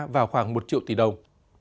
vào khoảng một triệu tỷ đồng